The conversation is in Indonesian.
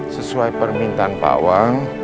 sesuai permintaan pawang